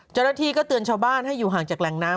เจ้าหน้าที่ก็เตือนชาวบ้านให้อยู่ห่างจากแหล่งน้ำ